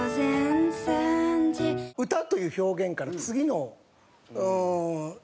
歌という表現から次のうーん。